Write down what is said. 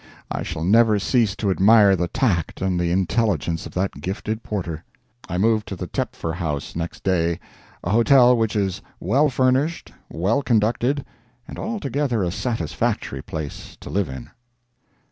I shall never cease to admire the tact and the intelligence of that gifted porter. I moved to the Tepfer house next day—a hotel which is well furnished, well conducted, and altogether a satisfactory place to live in.